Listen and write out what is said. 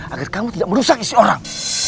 agar kamu tidak merusak istri orang